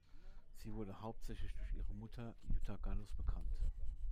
Sie wurde hauptsächlich durch ihre Mutter Jutta Gallus bekannt.